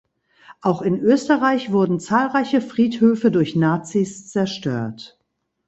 Auch in Österreich wurden zahlreiche Friedhöfe durch Nazis zerstört.